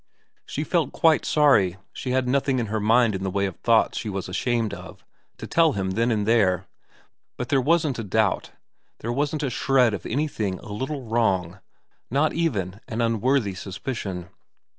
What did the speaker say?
She felt quite sorry she had nothing in her mind in the way of thoughts she was ashamed of to tell him then and there, but there wasn't a doubt, there wasn't a shred of anything a little wrong, not even an unworthy suspicion.